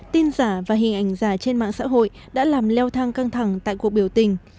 tin giả và hình ảnh giả trên mạng xã hội đã làm leo thang căng thẳng tại cuộc biểu tình